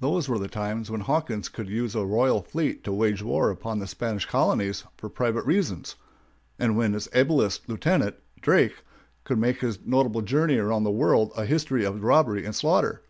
Those were the times when Hawkins could use a royal fleet to wage war upon the Spanish colonies for private reasons; and when his ablest lieutenant, Drake, could make his notable journey around the world a history of robbery and slaughter.